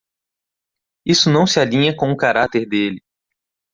Isso não se alinha com o cárater dele.